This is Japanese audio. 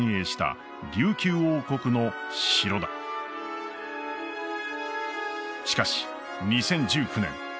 しかし２０１９年